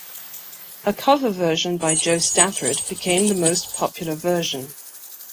A cover version by Jo Stafford became the most popular version.